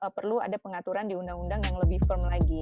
perlu ada pengaturan di undang undang yang lebih firm lagi